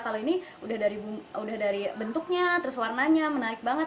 kalau ini udah dari bentuknya terus warnanya menarik banget